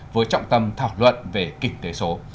với trọng tâm thảo luận về kinh tế số